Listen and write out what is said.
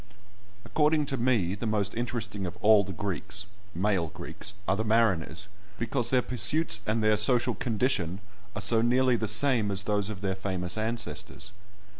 According to me, the most interesting of all the Greeks (male Greeks) are the mariners, because their pursuits and their social condition are so nearly the same as those of their famous ancestors.